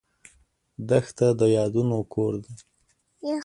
دښته د یادونو کور ده.